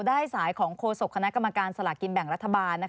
ได้สายของโฆษกคณะกรรมการสลากินแบ่งรัฐบาล